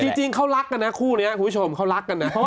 จริงเขารักกันนะคู่นี้คุณผู้ชมเขารักกันนะ